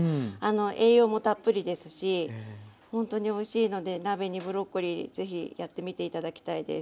栄養もたっぷりですしほんとにおいしいので鍋にブロッコリーぜひやってみて頂きたいです。